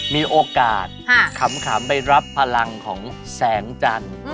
มีโอกาสขำไปรับพลังของแสงจันทร์